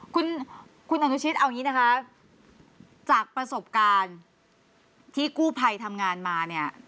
คุณคุณอนุชิตเอาอย่างนี้นะคะจากประสบการณ์ที่กู้ภัยทำงานมาเนี่ย